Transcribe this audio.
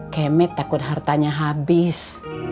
kemet takut hartanya habis